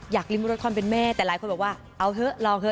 อยากริมรถคลอนเป็นแม่แต่หลายคนบอกว่าเอาเถอะลองเถอะ